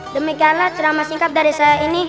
demikianlah ceramah singkat dari saya ini